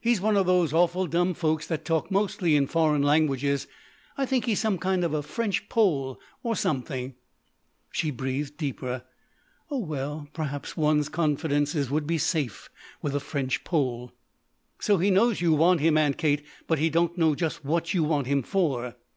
He's one of those awful dumb folks that talk mostly in foreign languages. I think he's some kind of a French Pole or something." She breathed deeper. "Oh, well perhaps one's confidences would be safe with a French Pole." "So he knows you want him, Aunt Kate, but he don't know just what you want him for."